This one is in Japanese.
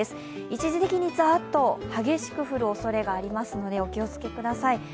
一時的にざーっと激しく降るおそれがありますのでお気を付けください。